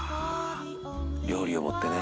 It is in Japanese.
「料理を盛ってね」